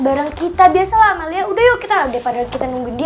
bareng kita biasalah amalia udah yuk kita udah pada kita nunggu dia